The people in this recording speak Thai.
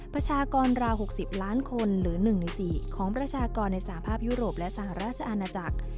ประชากรราว๖๐ล้านคนหรือ๑ใน๔ของประชากรในสหภาพยุโรปและสหราชอาณาจักร